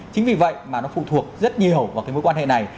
chính vì vậy mà nó phụ thuộc rất nhiều vào cái mối quan hệ này